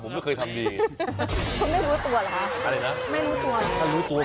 ผมไม่เคยทำดีครับอะไรนะถ้ารู้ตัว